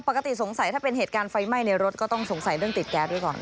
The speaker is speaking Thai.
ปกติสงสัยถ้าเป็นเหตุการณ์ไฟไหม้ในรถก็ต้องสงสัยเรื่องติดแก๊สด้วยก่อน